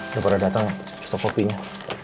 baru baru datang stok kopinya